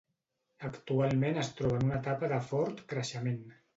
Actualment es troba en una etapa de fort creixement.